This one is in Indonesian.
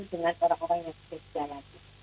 dengan orang orang yang sehat